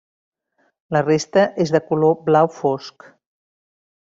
La resta és de color blau fosc.